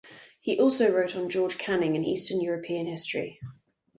He also wrote on George Canning and Eastern European history.